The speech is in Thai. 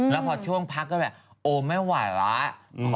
แล้วพอช่วงพักก็แบบโอ้ไม่ไหวแล้ว